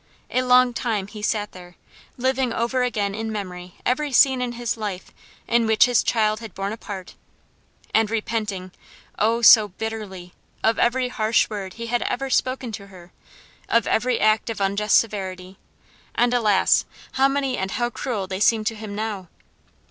A long time he sat there, living over again in memory every scene in his life in which his child had borne a part, and repenting, oh, so bitterly! of every harsh word he had ever spoken to her, of every act of unjust severity; and, alas! how many and how cruel they seemed to him now!